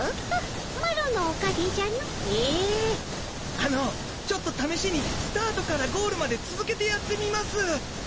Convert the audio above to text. あのちょっとためしにスタートからゴールまでつづけてやってみます。